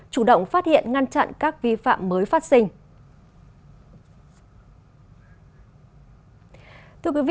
chủ động phát hiện ngăn chặn các vi phạm mới phát sinh